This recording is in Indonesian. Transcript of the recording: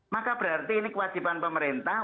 maka berarti ini kewajiban pemerintah